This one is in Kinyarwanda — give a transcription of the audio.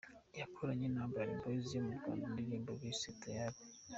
Yakoranye na Urban Boyz yo mu Rwanda indirimbo bise ‘Tayali’.